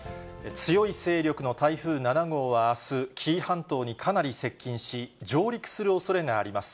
強い勢力の台風７号はあす、紀伊半島にかなり接近し、上陸するおそれがあります。